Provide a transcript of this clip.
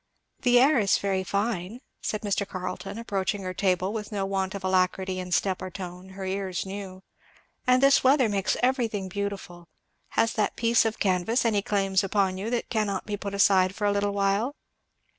"The air is very fine," said Mr. Carleton approaching her table, with no want of alacrity in step or tone, her ears knew; "and this weather makes everything beautiful has that piece of canvas any claims upon you that cannot be put aside for a little?"